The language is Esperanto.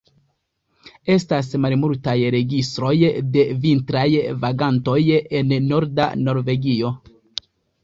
Estas malmultaj registroj de vintraj vagantoj en norda Norvegio.